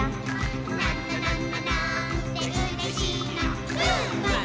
「なななな、なーんてうれしいな！ふーっ！！！」